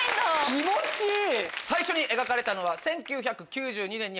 気持ちいい！